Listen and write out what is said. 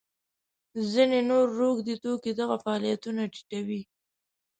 ځینې نور روږدي توکي دغه فعالیتونه ټیټوي.